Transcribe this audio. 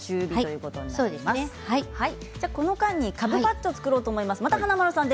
この間にかぶパッチョを作りたいと思います。